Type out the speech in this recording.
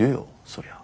そりゃ。